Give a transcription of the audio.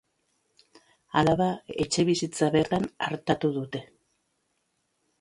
Alaba etxebizitza bertan artatu dute.